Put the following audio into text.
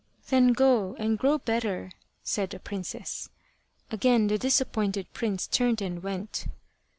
"Then go and grow better," said the princess. Again the disappointed prince turned and went.